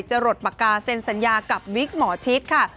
หลดปากกาเซ็นสัญญากับวิกหมอชิดค่ะ